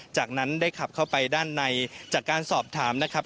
จากนั้นได้ขับเข้าไปด้านในจากการสอบถามนะครับ